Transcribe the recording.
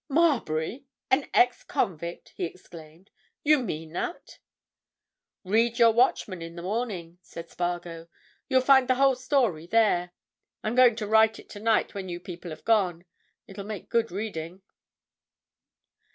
"Marbury—an ex convict!" he exclaimed. "You mean that?" "Read your Watchman in the morning," said Spargo. "You'll find the whole story there—I'm going to write it tonight when you people have gone. It'll make good reading."